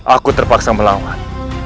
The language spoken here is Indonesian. aku terpaksa melawan